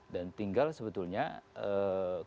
dan tinggal sebetulnya kemauan saja